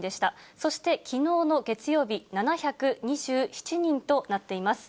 そしてきのうの月曜日、７２７人となっています。